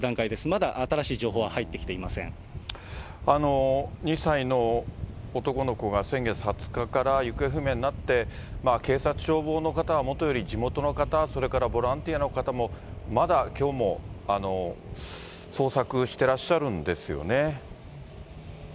まだ新しい情報は入ってきていま２歳の男の子が先月２０日から行方不明になって、警察、消防の方はもとより、地元の方、それからボランティアの方もまだきょうも捜索してらっしゃるんですよね。